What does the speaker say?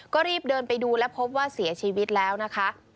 ก็รีบเดินไปดูและพบว่าเสียชีวิตแล้วนะคะ